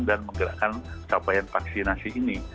dan menggerakkan capaian vaksinasi ini